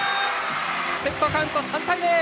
セットカウント３対０！